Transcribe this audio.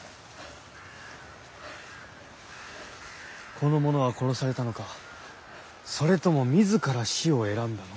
この者は殺されたのかそれともみずから死を選んだのか。